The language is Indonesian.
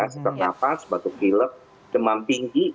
sesak nafas batuk pilek demam tinggi